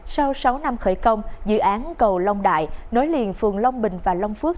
sau sáu năm khởi công dự án cầu long đại nối liền phường long bình và long phước